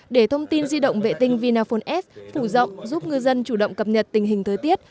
để thông tin di động vệ tinh vinaphone s phủ rộng giúp ngư dân chủ động cập nhật tình hình thời tiết